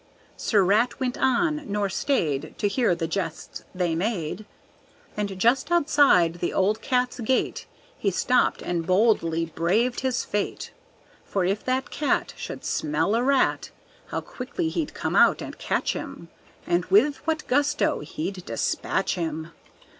Sir Rat went on, nor stayed To hear the jests they made; And just outside the old cat's gate He stopped and boldly braved his fate, For if that cat Should smell a rat How quickly he'd come out and catch him, And with what gusto he'd despatch him!